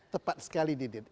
tepat sekali didit